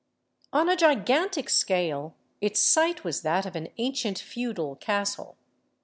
On a gigantic scale, its site was that of an ancient feudal castle.